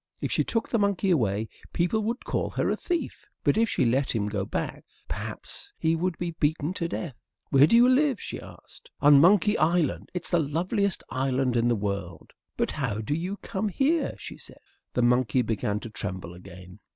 If she took the monkey away, people would call her a thief. But if she let him go back, perhaps he would be beaten to death. "Where do you live?" she asked. "On Monkey Island; it's the loveliest island in the world." "But how did you come here?" she said. The monkey began to tremble again.